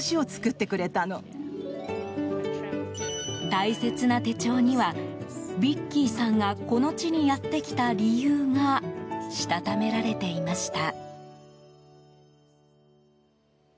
大切な手帳にはビッキーさんがこの地にやってきた理由がしたためられていました。